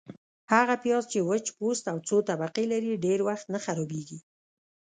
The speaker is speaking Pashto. - هغه پیاز چي وچ پوست او څو طبقې لري، ډېر وخت نه خرابیږي.